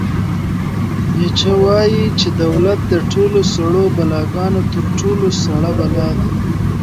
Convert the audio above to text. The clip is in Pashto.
نیچه وایي چې دولت د ټولو سړو بلاګانو تر ټولو سړه بلا ده.